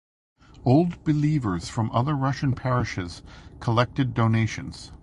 Old Believers from other Russian parishes collected donations.